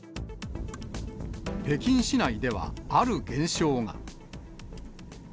北京市内ではある現象が。